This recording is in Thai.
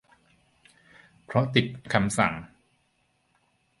เพราะติดคำสั่ง